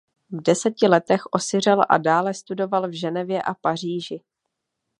V deseti letech osiřel a dále studoval v Ženevě a Paříži.